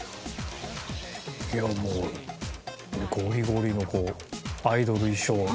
いやもうゴリゴリのアイドル衣装的な。